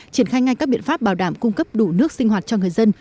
triển khai ngay các biện pháp bảo đảm cung cấp đủ nước sinh hoạt cho người dân